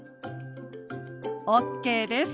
ＯＫです。